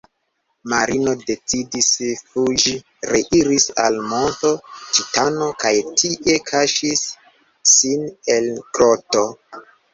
Marino decidis fuĝi, reiris al Monto Titano kaj tie kaŝis sin en groto.